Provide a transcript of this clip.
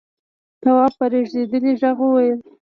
تواب په رېږديدلي غږ وويل: